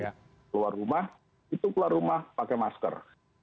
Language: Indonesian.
keluar rumah itu keluar rumah pakai masker